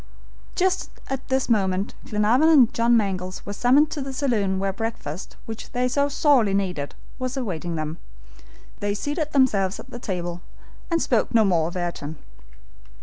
Just at this moment Glenarvan and John Mangles were summoned to the saloon where breakfast, which they so sorely needed, was awaiting them. They seated themselves at the table and spoke no more of Ayrton.